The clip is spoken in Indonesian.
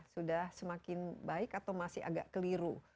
sudah semakin baik atau masih agak keliru